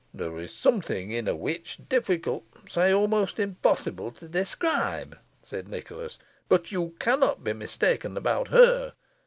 "There is something in a witch difficult, nay, almost impossible to describe," said Nicholas, "but you cannot be mistaken about her.